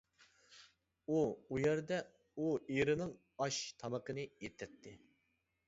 ئۇ ئۇيەردە ئۇ ئېرىنىڭ ئاش تامىقىنى ئېتەتتى.